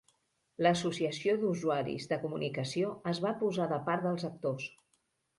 L'Associació d'Usuaris de comunicació es va posar de part dels actors.